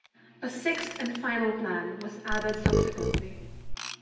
A sixth and final plan was added subsequently.